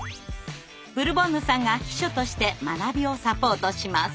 ブルボンヌさんが秘書として学びをサポートします。